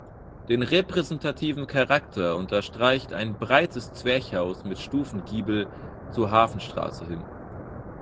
Den repräsentativen Charakter unterstreicht ein breites Zwerchhaus mit Stufengiebel zur Hafenstraße hin.